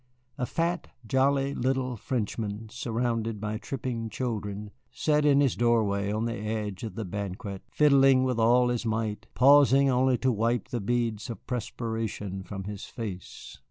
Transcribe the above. A fat, jolly little Frenchman, surrounded by tripping children, sat in his doorway on the edge of the banquette, fiddling with all his might, pausing only to wipe the beads of perspiration from his face.